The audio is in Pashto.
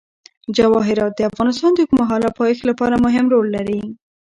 جواهرات د افغانستان د اوږدمهاله پایښت لپاره مهم رول لري.